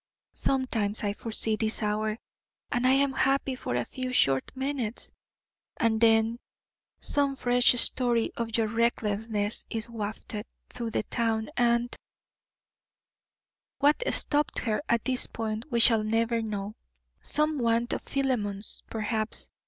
Sometimes I foresee this hour and am happy for a few short minutes; and then some fresh story of your recklessness is wafted through the town and What stopped her at this point we shall never know. Some want of Philemon's, perhaps.